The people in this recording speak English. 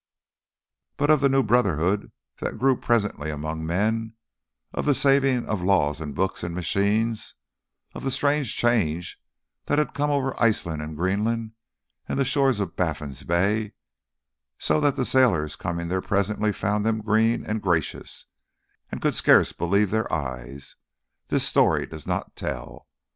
But of the new brotherhood that grew presently among men, of the saving of laws and books and machines, of the strange change that had come over Iceland and Greenland and the shores of Baffin's Bay, so that the sailors coming there presently found them green and gracious, and could scarce believe their eyes, this story does not tell.